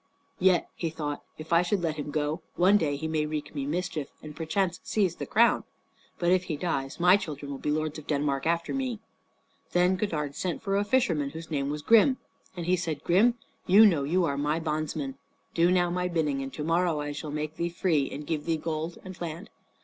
"Yet," he thought, "if I should let him go, one day he may wreak me mischief and perchance seize the crown. But if he dies, my children will be lords of Denmark after me." Then Godard sent for a fisherman whose name was Grim, and he said, "Grim, you know you are my bondsman. Do now my bidding, and to morrow I shall make thee free and give thee gold and land.